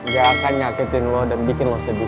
gak akan nyakitin lo dan bikin lo sedih